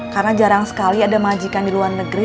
karena jarang sekali ada majikan di luar negeri